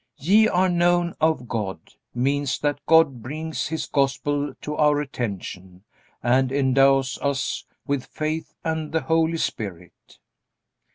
"Ye are known of God" means that God brings His Gospel to our attention, and endows us with faith and the Holy Spirit.